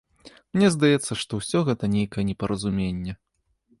Мне здаецца, што ўсё гэта нейкае непаразуменне.